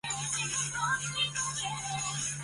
基尔施考是德国图林根州的一个市镇。